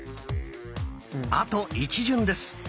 あと一巡です。